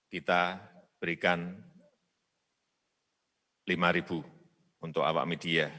kita berikan lima ribu untuk awak media